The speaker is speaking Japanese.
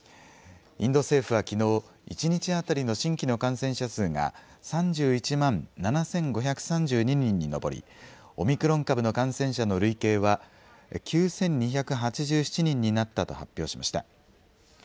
インド政府はきのう、１日当たりの新規の感染者数が、３１万７５３２人に上り、オミクロン株の感染者の累計は、９２８７人になったと発表しました。